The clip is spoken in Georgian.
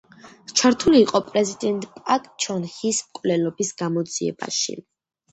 ჩართული იყო პრეზიდენტ პაკ ჩონ ჰის მკვლელობის გამოძიებაში.